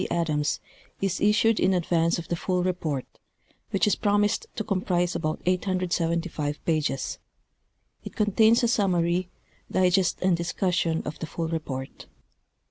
Adams, is issued in advance of the full report, which is jjrom isecl to comprise about 875 pages. It contains a summary, digest and discussion of the full report.